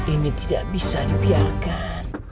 ini tidak bisa dibiarkan